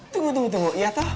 tunggu tunggu tunggu